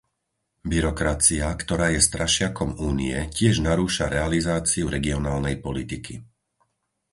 Byrokracia, ktorá je strašiakom Únie, tiež narúša realizáciu regionálnej politiky.